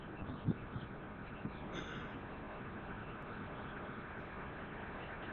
چوومە سەیری ڕەسەدخانەی شاروخ میرزا، کوڕی تەیموور